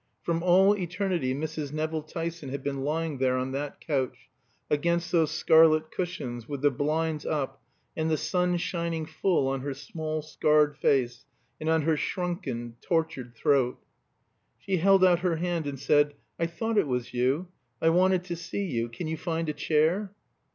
From all eternity Mrs. Nevill Tyson had been lying there on that couch, against those scarlet cushions, with the blinds up and the sun shining full on her small, scarred face, and on her shrunken, tortured throat. She held out her hand and said, "I thought it was you. I wanted to see you. Can you find a chair?"